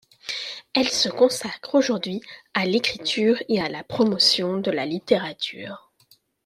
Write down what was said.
Elle se consacre aujourd’hui à l’écriture et à la promotion de la littérature.